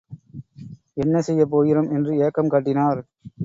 என்ன செய்யப்போகிறோம் என்று ஏக்கம் காட்டினர்.